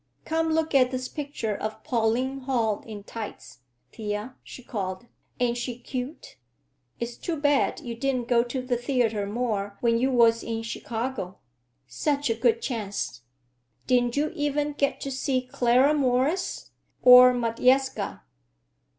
"Come look at this picture of Pauline Hall in tights, Thea," she called. "Ain't she cute? It's too bad you didn't go to the theater more when you was in Chicago; such a good chance! Didn't you even get to see Clara Morris or Modjeska?"